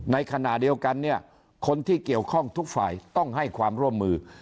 ในขณะเดียวกันเนี่ยคนที่เกี่ยวข้องทุกฝ่ายต้องให้ความร่วมมือ